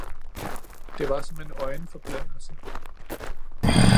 Det var som en øjenforblændelse